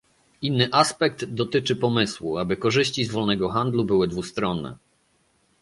Inny aspekt dotyczy pomysłu, aby korzyści z wolnego handlu były dwustronne